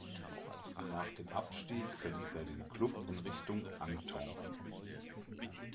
Nach dem Abstieg verließ er den Club in Richtung Angthong.